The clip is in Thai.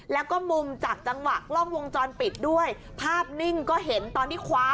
แล้วก็มุมจากจังหวะกล้องวงจรปิดด้วยภาพนิ่งก็เห็นตอนที่คว้า